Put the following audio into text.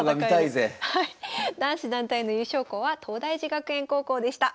男子団体の優勝校は東大寺学園高校でした。